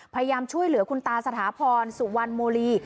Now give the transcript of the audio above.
พยายามช่วยเหลือคุณตาสถาพรสุวรรณโมลี